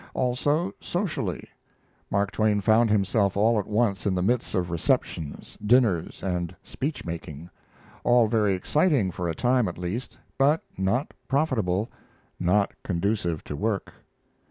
Also, socially: Mark Twain found himself all at once in the midst of receptions, dinners, and speech making; all very exciting for a time at least, but not profitable, not conducive to work.